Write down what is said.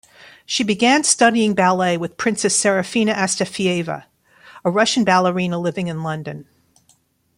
She began studying ballet with Princess Serafina Astafieva, a Russian ballerina living in London.